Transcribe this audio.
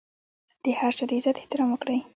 د هر چا د عزت احترام وکړئ.